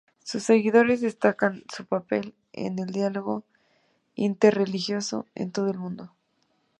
Sus seguidores destacan su papel en el diálogo interreligioso en todo el Mundo.